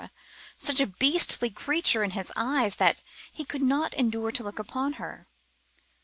such a beastly creature in his eyes, that he could not endure to look upon her.